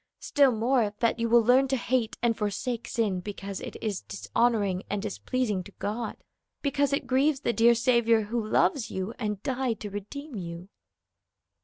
Still more, that you will learn to hate and forsake sin because it is dishonoring and displeasing to God, because it grieves the dear Saviour who loves you and died to redeem you."